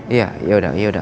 iya yaudah yaudah